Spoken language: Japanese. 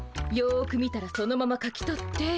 よく見たらそのまま書き取って。